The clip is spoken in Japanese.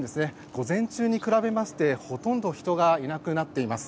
午前中に比べましてほとんど人がいなくなっています。